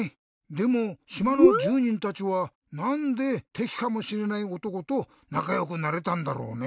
でもしまのじゅうにんたちはなんでてきかもしれないおとことなかよくなれたんだろうね？